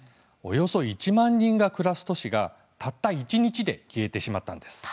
およそ１万人が暮らす都市がたった一日で消えてしまったのです。